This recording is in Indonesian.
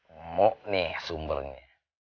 emok nih sumbernya